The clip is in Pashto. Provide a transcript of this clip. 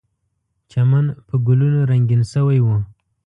چمن په ګلونو رنګین شوی و.